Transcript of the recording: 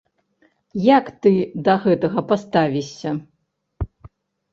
Як ты да гэтага паставішся?